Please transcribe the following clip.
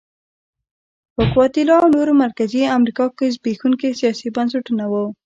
په ګواتیلا او نورو مرکزي امریکا کې زبېښونکي سیاسي بنسټونه وو.